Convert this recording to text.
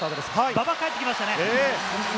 馬場が帰ってきました。